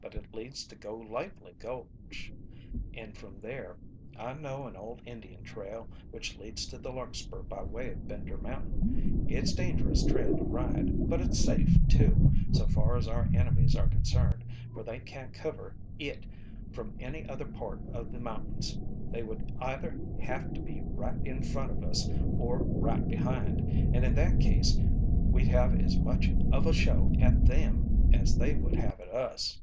"But it leads to Go Lightly Gulch, and from there I know an old Indian trail which leads to the Larkspur by way of Bender Mountain. It's dangerous trail to ride, but it's safe, too, so far as our enemies are concerned, for they can't cover it from any other part of the mountains. They would either have to be right in front of us or right behind, and in that case we'd have as much of a show at them as they would have at us."